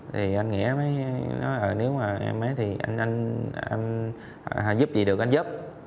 thì anh nghĩa mới nói nếu mà em mới thì anh giúp gì được anh giúp